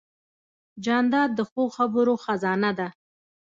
جانداد د ښو خبرو خزانه ده.